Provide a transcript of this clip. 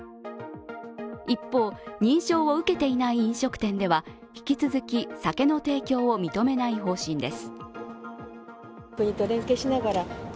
一方、認証を受けていない飲食店では引き続き酒の提供を認めない方針です。